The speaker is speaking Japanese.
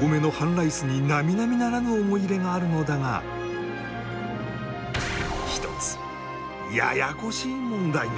多めの半ライスに並々ならぬ思い入れがあるのだが１つややこしい問題が。